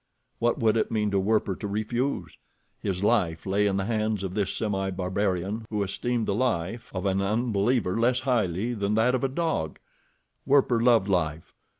What would it mean to Werper to refuse? His life lay in the hands of this semi barbarian, who esteemed the life of an unbeliever less highly than that of a dog. Werper loved life.